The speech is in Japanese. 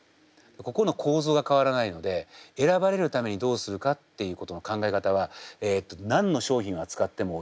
ここの構造が変わらないので選ばれるためにどうするかっていうことの考え方は何の商品を扱っても実は共通なんです。